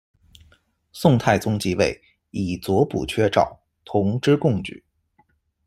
宋太宗即位，以左补阙召，同知贡举。